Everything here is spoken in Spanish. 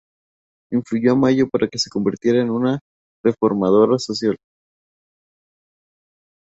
Influyó a Mayo para que se convierta en una reformadora social.